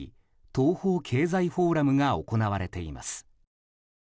東方経済フォーラムが行われています。